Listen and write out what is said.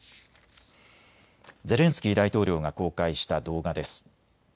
ゼレンスキー大統領が公開した動画です。